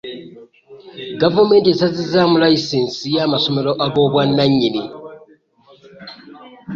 Gavumenti esazizzaamu layisinsi y'amasomero ag'obwannannyini.